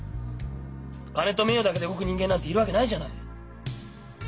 金と名誉だけで動く人間なんているわけないじゃない。